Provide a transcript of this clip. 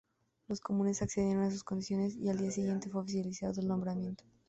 Los Comunes accedieron a sus condiciones, y al día siguiente fue oficializado el nombramiento.